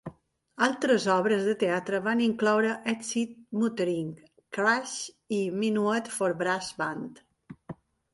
Altres obres de teatre van incloure "Exit Muttering", "Crash" i "Minuet for Brass Band".